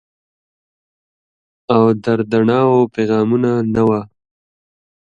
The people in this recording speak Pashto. او دردڼاوو پیغامونه، نه وه